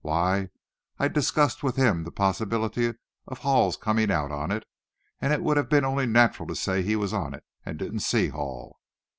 Why, I discussed with him the possibility of Hall's coming out on it, and it would have been only natural to say he was on it, and didn't see Hall."